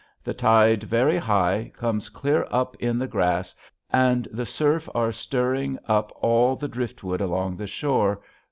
the tied vary Hie Comes clear up in the gras and the surf ar Stiring up all the Driftwood along the shore.